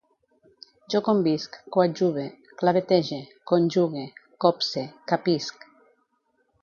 Jo convisc, coadjuve, clavetege, conjugue, copse, capisc